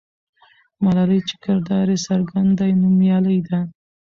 ملالۍ چې کردار یې څرګند دی، نومیالۍ ده.